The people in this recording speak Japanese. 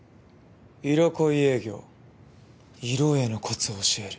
色恋営業色営のコツを教える。